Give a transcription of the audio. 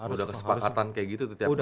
udah kesepakatan kayak gitu tuh tiap klub ya